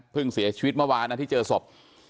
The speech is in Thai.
เพิ่งเสียชีวิตเมื่อวานที่เจอศพ